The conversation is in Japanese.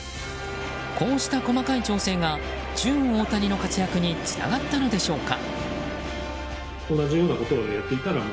こうした細かい調整がジューン・オオタニの活躍につながったのでしょうか。